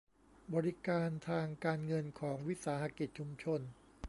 บริการทางการเงินของวิสาหกิจชุมชน